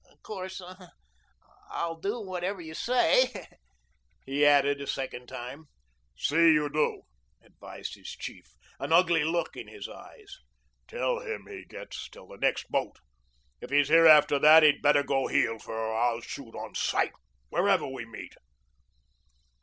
"O' course I'll do whatever you say," he added a second time. "See you do," advised his chief, an ugly look in his eyes. "Tell him he gets till the next boat. If he's here after that, he'd better go heeled, for I'll shoot on sight wherever we meet."